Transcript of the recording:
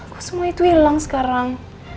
kok semua itu hilang sekarang